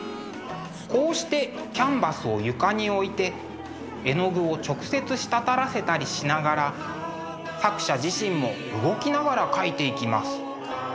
こうしてキャンバスを床に置いて絵の具を直接滴らせたりしながら作者自身も動きながら描いていきます。